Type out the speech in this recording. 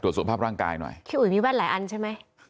ตรวจส่วนภาพร่างกายหน่อยที่อุ๋ยมีบ้านหลายอันใช่ไหม